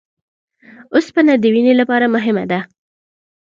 اوسپنه د وینې لپاره مهمه ده